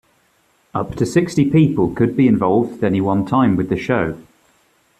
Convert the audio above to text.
Up to sixty people could be involved at any one time with the show.